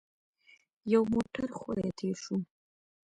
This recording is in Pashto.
يو موټر ښويه تېر شو.